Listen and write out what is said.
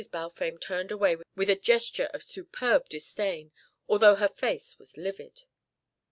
Balfame turned away with a gesture of superb disdain, although her face was livid.